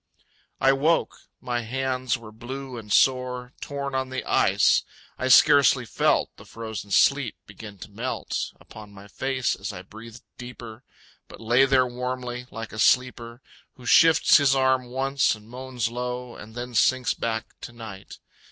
I woke. My hands were blue and sore, Torn on the ice. I scarcely felt The frozen sleet begin to melt Upon my face as I breathed deeper, But lay there warmly, like a sleeper Who shifts his arm once, and moans low, And then sinks back to night.